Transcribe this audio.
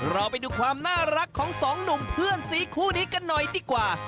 เราไปดูความน่ารักของสองหนุ่มเพื่อนสีคู่นี้กันหน่อยดีกว่า